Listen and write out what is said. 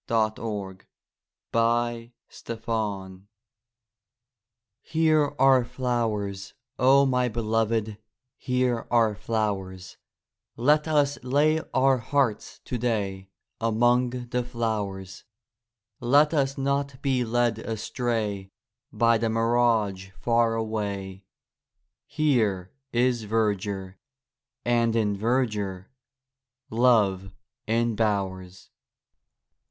33 WATER AND FLOWERS Here are flowers, O my Beloved, Here are flowers; Let us lay our hearts today Among the flowers; Let us not be led astray By the mirage far away; Here is verdure, and in verdure Love embowers.